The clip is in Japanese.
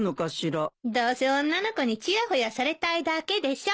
どうせ女の子にチヤホヤされたいだけでしょ。